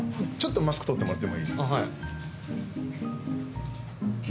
マスク取ってもらってもいい？